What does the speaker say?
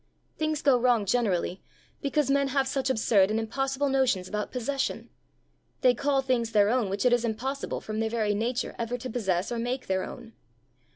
Things go wrong, generally, because men have such absurd and impossible notions about possession. They call things their own which it is impossible, from their very nature, ever to possess or make their own.